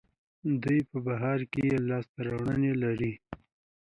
دوی په بهر کې ښې لاسته راوړنې لري.